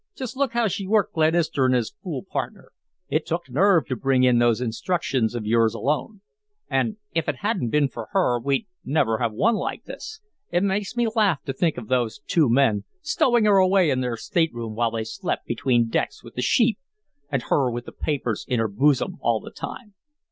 Just look how she worked Glenister and his fool partner. It took nerve to bring in those instructions of yours alone; and if it hadn't been for her we'd never have won like this. It makes me laugh to think of those two men stowing her away in their state room while they slept between decks with the sheep, and her with the papers in her bosom all the time.